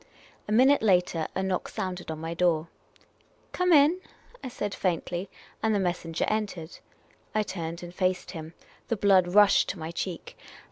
A minute later, a knock sounded on my door. " Come ill !" I said, faintly ; and the messenger entered. I turned and faced him. The l)lood rushed to my cheek.